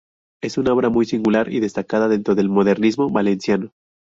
Es una obra muy singular y destacada dentro del modernismo valenciano.